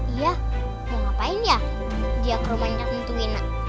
iya mau ngapain ya dia ke rumahnya untuk minat